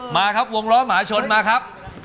มาครับวงล้อมหาชนมาครับ